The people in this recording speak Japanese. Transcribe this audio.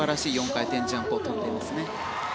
４回転ジャンプを跳んでいます。